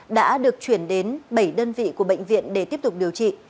đã được chuyển đến bảy đơn vị của bệnh viện để tiếp tục điều trị